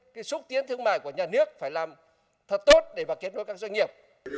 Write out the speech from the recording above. cơ quan xúc tiến thương mại của nhà nước phải làm thật tốt để kết nối các doanh nghiệp